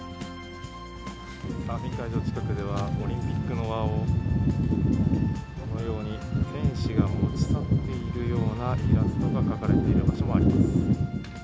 サーフィン会場近くでは、オリンピックの輪を、このように天使が持ち去っているようなイラストが描かれている場所があります。